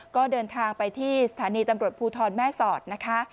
ก็เดินทางไปที่สถานีตำรวจภูทรแม่สอดนะคะ